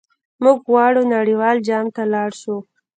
موږ غواړو نړیوال جام ته لاړ شو.